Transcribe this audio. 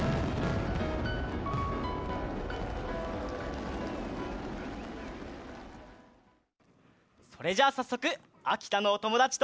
それじゃあさっそくあきたのおともだちとあっそぼう！